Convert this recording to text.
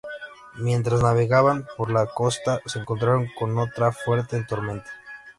Mientras navegaban por la costa, se encontraron con otra fuerte tormenta.